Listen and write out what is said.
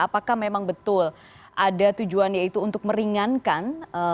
apakah memang betul ada tujuan yaitu untuk meringankan